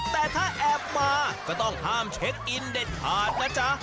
แต่ถ้าแอบมาก็ต้องห้ามเช็คอินเด็ดขาดนะจ๊ะ